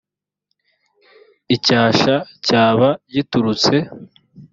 icyasha cyaba giturutse